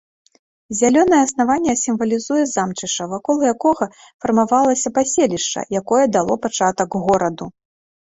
Зялёнае аснаванне сімвалізуе замчышча, вакол якога фармавалася паселішча, якое дало пачатак гораду.